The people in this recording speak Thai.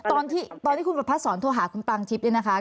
ตอนที่คุณภัทรศรโทรหาคุณปางชิบเลยนะคะ